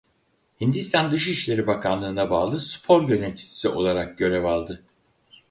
Hindistan Dışişleri Bakanlığı'na bağlı spor yöneticisi olarak görev aldı.